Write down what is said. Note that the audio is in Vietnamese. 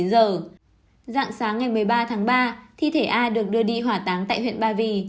dạng sáng ngày một mươi ba tháng ba thi thể a được đưa đi hỏa táng tại huyện ba vì